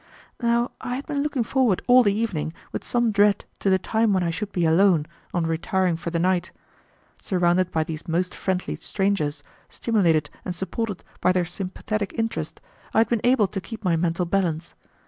Now I had been looking forward all the evening with some dread to the time when I should be alone, on retiring for the night. Surrounded by these most friendly strangers, stimulated and supported by their sympathetic interest, I had been able to keep my mental balance.